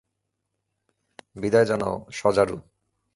বিদায় জানাও, শজারু।